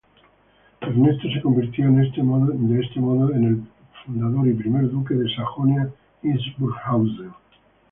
Ernesto se convirtió de este modo en el fundador y primer duque de Sajonia-Hildburghausen.